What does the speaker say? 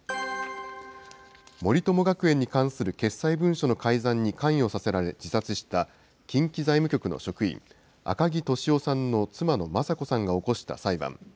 森友学園に関する決裁文書の改ざんに関与させられ、自殺した近畿財務局の職員、赤木俊夫さんの妻の雅子さんが起こした裁判。